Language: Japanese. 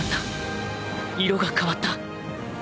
色が変わった